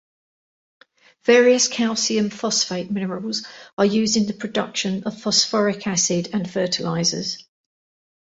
Various calcium phosphate minerals are used in the production of phosphoric acid and fertilizers.